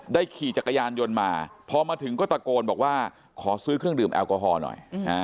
ขี่จักรยานยนต์มาพอมาถึงก็ตะโกนบอกว่าขอซื้อเครื่องดื่มแอลกอฮอล์หน่อย